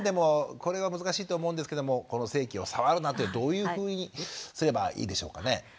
これは難しいと思うんですけどもこの性器を触るなってどういうふうにすればいいでしょうかね？